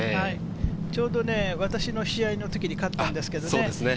ちょうど私の試合の時に勝ったんですけどね。